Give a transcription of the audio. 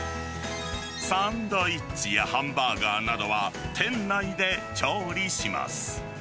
サンドイッチやハンバーガーなどは、店内で調理します。